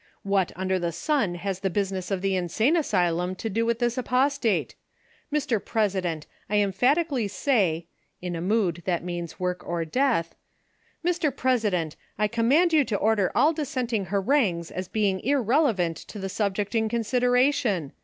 AVliat under the sun has the busi ness of the insane asylum to do with this apostate V Mr. President ! I emphatically say (in a mood that means work or death) — Mr. President ! I command you to order all dis senting harangues as being irrelevant to the subject in consideration